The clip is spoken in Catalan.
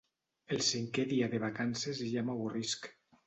El cinqué dia de vacances i ja m'avorrisc.